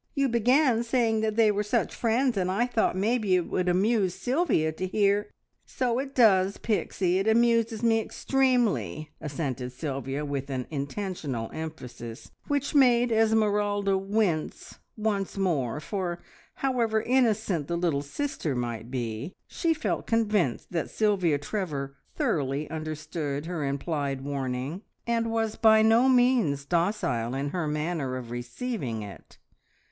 You began saying that they were such friends, and I thought maybe it would amuse Sylvia to hear " "So it does, Pixie. It amuses me extremely," assented Sylvia with an intentional emphasis, which made Esmeralda wince once more, for, however innocent the little sister might be, she felt convinced that Sylvia Trevor thoroughly understood her implied warning, and was by no means docile in her manner of receiving it.